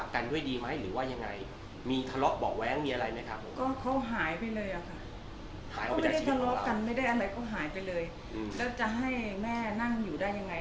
ไม่ได้อะไรก็หายไปเลยแล้วจะให้แม่นั่งอยู่ได้ยังไง